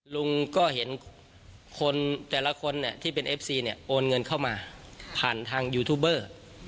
ลุงก็เห็นคนแต่ละคนที่เป็นเอฟซีเนี่ยโอนเงินเข้ามาผ่านทางยูทูบเบอร์